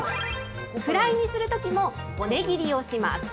フライにするときも骨切りをします。